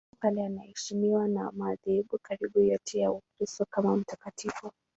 Tangu kale anaheshimiwa na madhehebu karibu yote ya Ukristo kama mtakatifu.